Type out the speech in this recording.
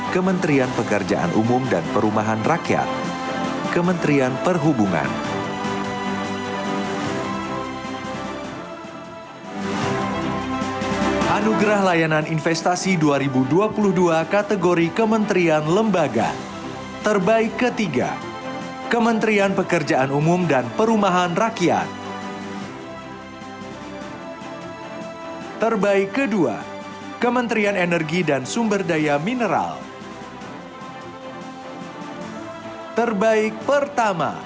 kementerian pekerjaan umum dan perumahan rakyat